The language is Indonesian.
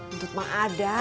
entut mak ada